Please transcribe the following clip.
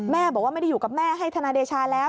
บอกว่าไม่ได้อยู่กับแม่ให้ทนายเดชาแล้ว